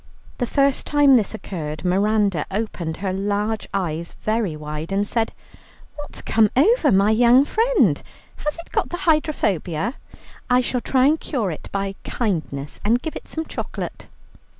The first time this occurred Miranda opened her large eyes very wide and said, "What's come over my young friend, has it got the hydrophobia? I shall try and cure it by kindness and give it some chocolate."